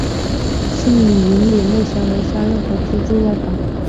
庆云里目前为商用和居住用房。